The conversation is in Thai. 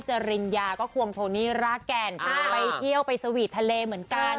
จริงยาก็ควรโทนี้รักแก่นอ่าไปเยี่ยวไปสวิตช์ทะเลเหมือนกัน